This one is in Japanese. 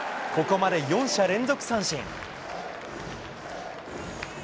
ここまで４者連続三振。